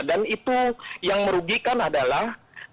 dan itu yang merugikan adalah